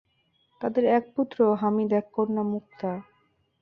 তাঁদের এক পুত্র 'হামিদ' ও এক কন্যা 'মুক্তা'।